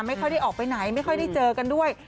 ไม่ค่อยได้ออกไปไหนไม่ค่อยได้เจอกันด้วย